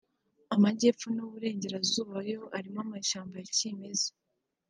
Amajyepfo n’Uburengerazuba yo arimo amashyamba ya kimeza